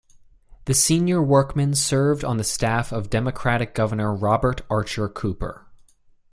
The senior Workman served on the staff of Democratic Governor Robert Archer Cooper.